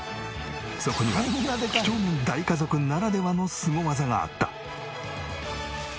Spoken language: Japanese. そこには几帳面大家族ならではのスゴ技があった。